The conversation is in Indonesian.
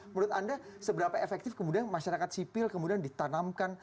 menurut anda seberapa efektif kemudian masyarakat sipil kemudian ditanamkan